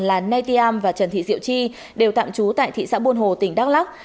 là neitiam và trần thị diệu chi đều tạm trú tại thị xã buôn hồ tỉnh đắk lắk